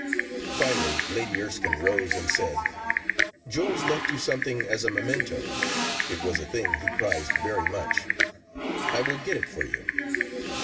Finally Lady Erskine rose and said, George left you something as a memento. It was a thing he prized very much. I will get it for you.